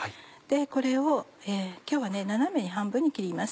これを今日は斜めに半分に切ります。